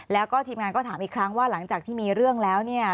แล้วก็ทีมงานก็ถามอีกครั้งว่าหลังจากที่มีเรื่องแล้วเนี่ย